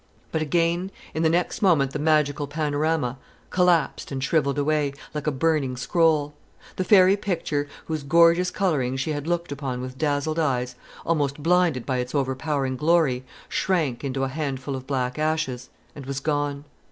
But, again, in the next moment the magical panorama collapsed and shrivelled away, like a burning scroll; the fairy picture, whose gorgeous colouring she had looked upon with dazzled eyes, almost blinded by its overpowering glory, shrank into a handful of black ashes, and was gone.